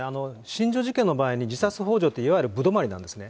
心中事件の場合に、自殺ほう助っていわゆる歩留まりなんですね。